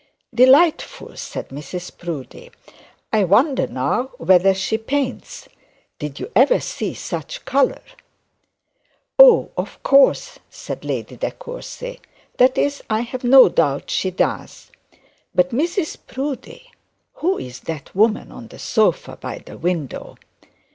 'Delightful,' said Mrs Proudie; 'I wonder now whether she paints. Did you ever see such colour?' 'Oh, of course,' said Lady De Courcy; 'that is, I have no doubt she does. But, Mrs Proudie, who is that woman on the sofa by the window?